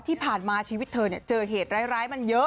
ที่ผ่านมาชีวิตเธอเจอเหตุร้ายมันเยอะ